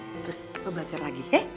terus lo belajar lagi ya